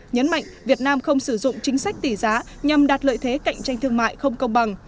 nhấn mạnh việt nam không sử dụng chính sách tỷ giá nhằm đạt lợi thế cạnh tranh thương mại không công bằng